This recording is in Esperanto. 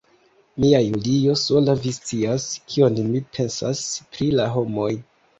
Mia Julio, sola vi scias, kion mi pensas pri la homoj.